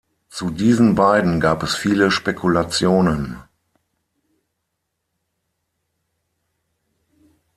Zu diesen beiden gab es viele Spekulationen.